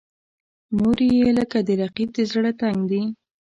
نورې یې لکه د رقیب زړه تنګ دي.